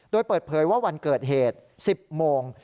โดยเปิดเผยว่าวันเกิดเหตุ๑๐โมง